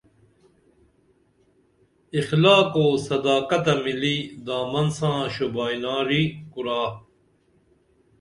اخلاق او صداقتہ مِلی دامن ساں شوبائیں ناری کُرا